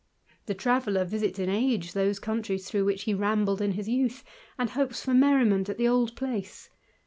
The traveller visits in age those countri^^^ through which he rambled in his youth, and hopes merriment at the old place.